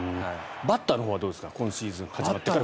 バッターのほうはどうですか今シーズン始まってから。